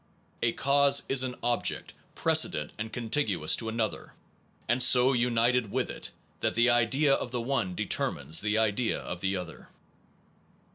A cause is an object precedent and contiguous to another, and so united with it that the idea of the one determines the idea of the other.